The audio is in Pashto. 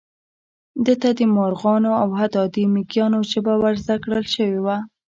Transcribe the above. ده ته د مارغانو او حتی د مېږیانو ژبه ور زده کړل شوې وه.